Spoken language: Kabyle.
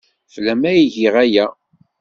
Fell-am ay giɣ aya.